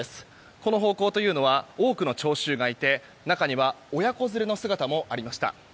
この方向というのは多くの聴衆がいて中には親子連れの姿もありました。